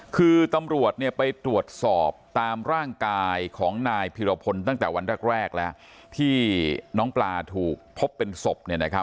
คือตำรวจไปตรวจสอบตามร่างกายของนายพิรพลตั้งแต่วันแรกแล้วที่น้องปลาถูกพบเป็นศพ